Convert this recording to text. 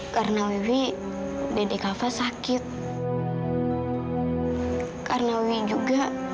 karena saya juga